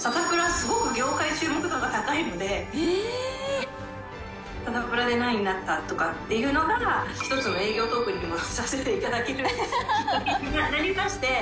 すごく業界注目度が高いので、サタプラで何位になったとかっていうのが、一つの営業トークにもさせていただけるきっかけにもなりまして。